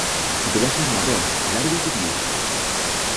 Su pelaje es marrón, largo y tupido.